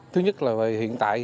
thứ nhất là hiện tại